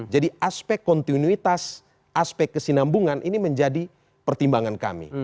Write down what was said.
jadi aspek kontinuitas aspek kesinambungan ini menjadi pertimbangan kami